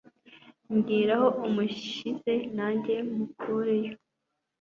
mbwira aho umushyize nanjye mukure yo"